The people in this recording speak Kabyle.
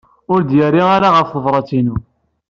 Ur d-yerri ara ɣef tebṛat-inu.